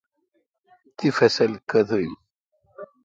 تی فصل کتہ این؟